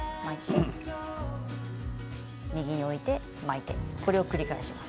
右において巻いてこれを繰り返します。